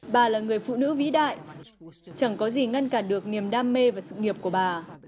bà là người phụ nữ vĩ đại chẳng có gì ngăn cản được niềm đam mê và sự nghiệp của bà